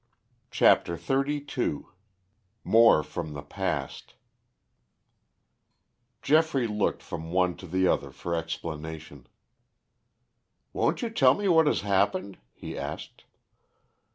CHAPTER XXXII MORE FROM THE PAST Geoffrey looked from one to the other for explanation. "Won't you tell me what has happened?" he asked.